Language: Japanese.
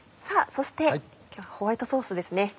そして今日はホワイトソースですね。